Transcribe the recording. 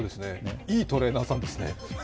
いいトレーナーさんですね。